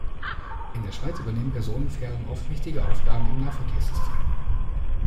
In der Schweiz übernehmen Personenfähren oft wichtige Aufgaben im Nahverkehrssystem.